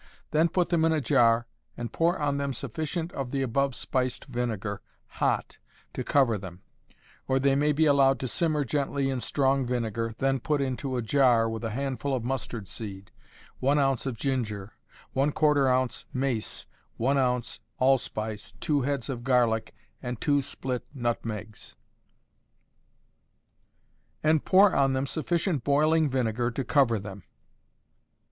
Then put them in a jar, and pour on them sufficient of the above spiced vinegar, hot, to cover them. Or they may be allowed to simmer gently in strong vinegar, then put into a jar with a handful of mustard seed, 1 oz. of ginger, ¼ oz. mace, 1 oz. allspice, 2 heads of garlic, and 2 split nutmegs; and pour on them sufficient boiling vinegar to cover them.